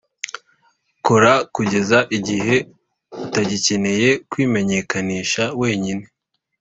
kora kugeza igihe utagikeneye kwimenyekanisha wenyine.